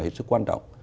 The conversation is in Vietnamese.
hiệp sức quan trọng